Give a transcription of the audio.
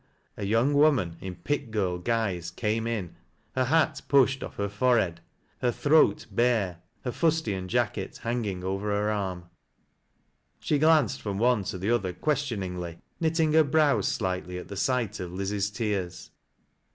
" a young woman, in pit girl guise came in, her hat pushed off lier forehead, her throat bare, her fnstian jacket hanging ever her aim. She glanceJ TBB BEVEUEND RABOLD BABllOLM. 31 from one to the other qiiestioningly, knittiDg hor brows ■ilightly at the sight of Liz's tears.